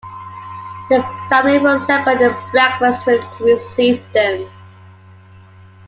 The family were assembled in the breakfast room to receive them.